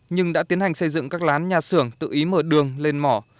nhưng đã tiến hành xây dựng các lán nhà xưởng tự ý mở đường lên mỏ